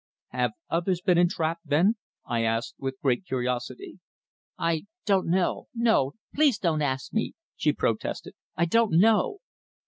"Have others been entrapped, then?" I asked with great curiosity. "I don't know. No. Please don't ask me," she protested. "I don't know."